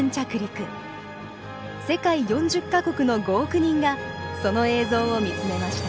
世界４０か国の５億人がその映像を見つめました。